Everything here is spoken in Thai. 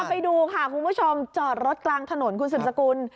ไปดูค่ะคุณผู้ชมจอดรถกลางถนนคุณสืบสกุล